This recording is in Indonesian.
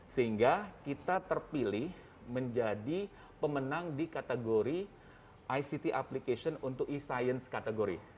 sehingga kita terpilih menjadi pemenang di kategori ict application untuk e science kategori